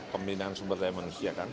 pembinaan sumber daya manusia kan